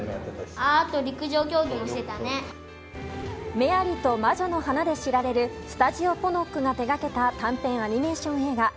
「メアリと魔女の花」で知られるスタジオポノックが手掛けた短編アニメーション映画。